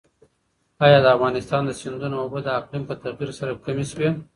ایا د افغانستان د سیندونو اوبه د اقلیم په تغیر سره کمې شوي؟